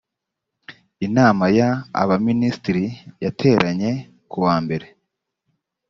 inama ya abaminisitiri yateranye ku wa mbere